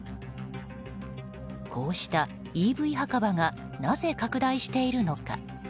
こうしたＥＶ墓場がなぜ拡大しているのか？